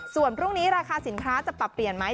ส่วนพรุ่งนี้ราคาสินค้าจะปรับเปลี่ยนไหม